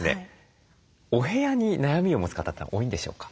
お部屋に悩みを持つ方って多いんでしょうか？